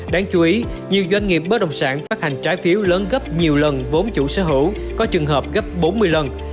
đáng chú ý nhiều doanh nghiệp bất đồng sản phát hành trái phiếu lớn gấp nhiều lần vốn chủ sở hữu có trường hợp gấp bốn mươi lần